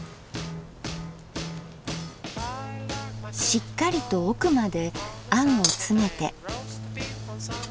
しっかりと奥まであんを詰めて。